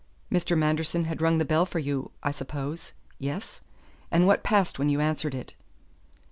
"Mr. Manderson had rung the bell for you, I suppose. Yes? And what passed when you answered it?"